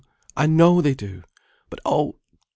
I know they do! But, oh!